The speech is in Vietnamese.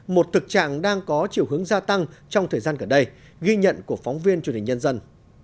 một thực trạng đang có chiều hướng gia tăng trong thời gian gần đây ghi nhận của phóng viên truyền hình nhân dân